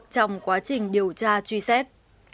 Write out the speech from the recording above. trong quá trình điều tra truy xét